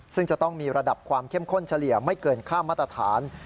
ซึ่งจะต้องมีระดับความเข้มข้นเฉลี่ยไม่เกินค่ามาตรฐาน